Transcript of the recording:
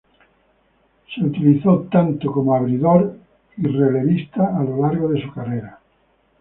Fue utilizado tanto como abridor y relevista a lo largo de su carrera.